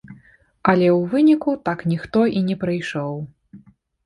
Але ў выніку так ніхто і не прыйшоў.